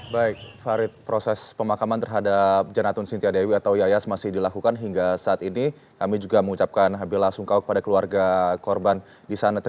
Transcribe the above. baik farid proses pemakaman terhadap janatun sintiadewi atau yayas masih dilakukan hingga saat ini kami juga mengucapkan bela sungkawa kepada keluarga korban di sana